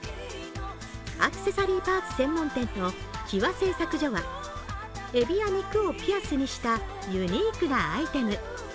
アクセサリーパーツ専門店の貴和製作所はえびや肉をピアスにしたユニークなアイテム。